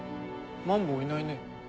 マンボウいないね。